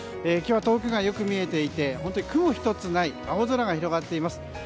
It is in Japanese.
今日、遠くがよく見えていて雲一つない青空が広がっています。